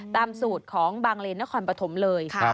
ตามสูตรของบางเรนและขอนปฐมเลย